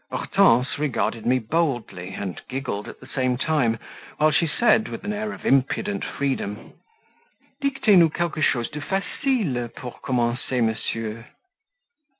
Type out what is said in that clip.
Hortense regarded me boldly, and giggled at the same time, while she said, with an air of impudent freedom "Dictez nous quelquechose de facile pour commencer, monsieur."